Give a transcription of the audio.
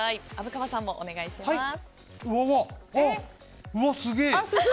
虻川さんもお願いします。